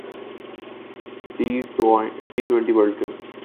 T twenty world ک